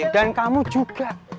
dan kamu juga